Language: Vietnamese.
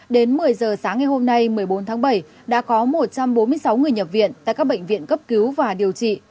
đến một mươi giờ sáng ngày hôm nay một mươi bốn tháng bảy đã có một trăm bốn mươi sáu người nhập viện tại các bệnh viện cấp cứu và điều trị